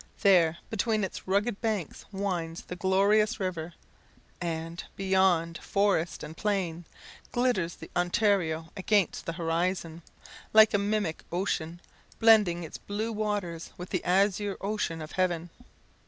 There, between its rugged banks, winds the glorious river; and, beyond forest and plain, glitters the Ontario against the horizon, like a mimic ocean, blending its blue waters with the azure ocean of heaven.